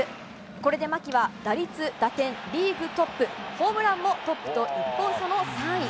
これで牧は打率、打点リーグトップ、ホームランもトップと１本差の３位。